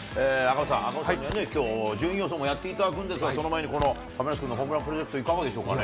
赤星さん、きょう、順位予想もやっていただくんですか、その前にこの亀梨君のホームランプロジェクトいかがでしょうかね。